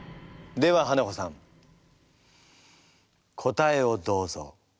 ではハナコさん答えをどうぞ。